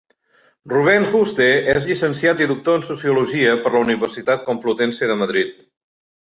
Rubén Juste és llicenciat i doctor en Sociologia per la Universitat Complutense de Madrid.